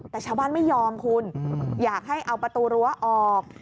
แต่ชาวบ้านไม่ยอมคุณอยากให้เอาประตูรั้วออก